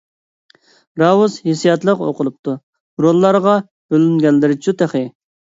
راۋرۇس ھېسسىياتلىق ئوقۇلۇپتۇ. روللارغا بۆلۈنگەنلىرىچۇ تېخى!